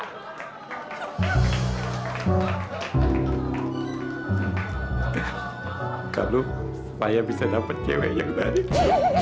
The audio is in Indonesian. kalo supaya bisa dapet cewek yang baik